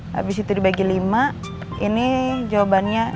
habis itu dibagi lima ini jawabannya delapan puluh empat